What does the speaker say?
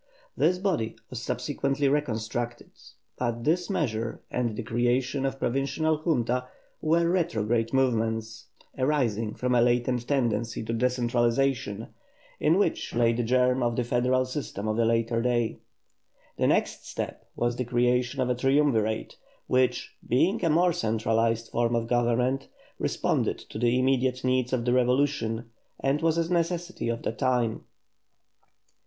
This body was subsequently reconstructed, but this measure and the creation of Provincial Juntas were retrograde movements, arising from a latent tendency to decentralisation, in which lay the germ of the federal system of a later day. The next step was the creation of a Triumvirate, which, being a more centralised form of government, responded to the immediate needs of the revolution, and was a necessity of the time.